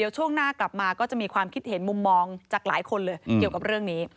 ช่วงหน้ากลับมาก็จะมีความคิดเห็นมุมมองจากหลายคนเลยเกี่ยวกับเรื่องนี้